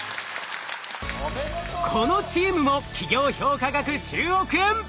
このチームも企業評価額１０億円！